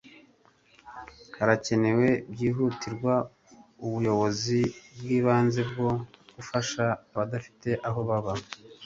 harakenewe byihutirwa ubuyobozi bwibanze bwo gufasha abadafite aho baba